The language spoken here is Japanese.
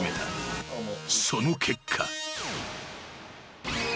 ［その結果］